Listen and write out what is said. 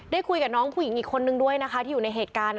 คุยกับน้องผู้หญิงอีกคนนึงด้วยนะคะที่อยู่ในเหตุการณ์